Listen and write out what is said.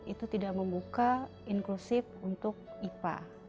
itu tidak membuka inklusif untuk ipa